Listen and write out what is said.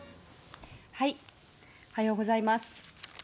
おはようございます。